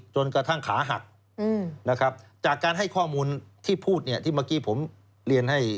จนกระทั่งขาหักนะครับจากการให้ข้อมูลที่พูดเนี่ยที่เมื่อกี้ผมเรียนให้